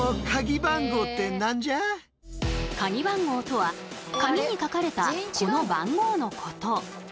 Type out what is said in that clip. カギ番号とはカギに書かれたこの番号のこと。